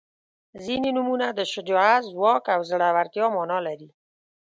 • ځینې نومونه د شجاعت، ځواک او زړورتیا معنا لري.